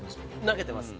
投げてます。